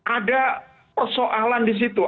ada persoalan disitu